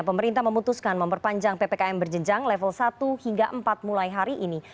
pemerintah memutuskan memperpanjang ppkm berjenjang level satu hingga empat mulai hari ini